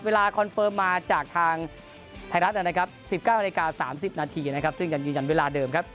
เวลาคอนเฟิร์มมาจากทางถ่ายรัด๑๙นาที๓๐นาทีซึ่งจะยืนยันเวลาเดิมครับ